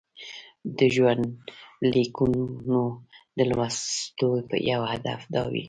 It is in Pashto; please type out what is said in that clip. د ژوندلیکونو د لوستلو یو هدف دا وي.